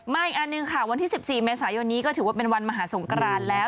อีกอันหนึ่งค่ะวันที่๑๔เมษายนนี้ก็ถือว่าเป็นวันมหาสงกรานแล้ว